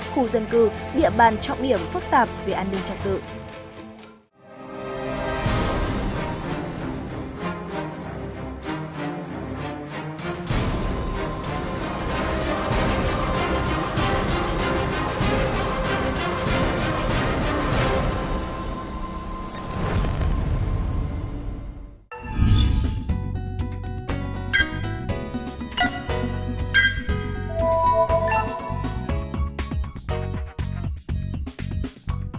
khu dân cư địa bàn trọng điểm phức tạp về an ninh trật tự